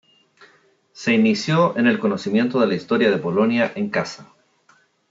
Se inició en el conocimiento de la historia de Polonia en casa.